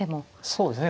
そうですね。